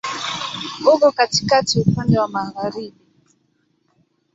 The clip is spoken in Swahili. Uko katikati, upande wa magharibi.